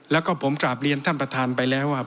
แล้วก็ผมกราบเรียนท่านประธานไปแล้วว่า